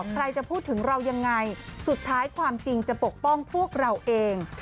ใครจะพูดถึงเรายังไงสุดท้ายความจริงจะปกป้องพวกเราเอง